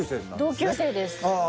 同級生ですああ